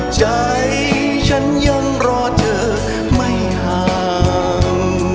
ใจฉันยังรอเธอไม่ห่าง